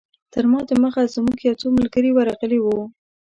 تر ما دمخه زموږ یو څو ملګري ورغلي وو.